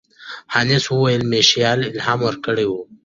هانس وویل میشایلا الهام ورکړی و.